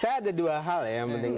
saya ada dua hal ya yang penting